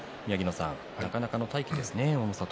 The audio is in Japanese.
なかなかの大器ですね。